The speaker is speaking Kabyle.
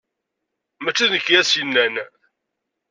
Mači d nekk i as-yennan.